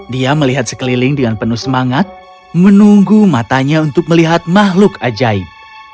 dia melihat sekeliling dengan penuh semangat menunggu matanya untuk melihat makhluk ajaib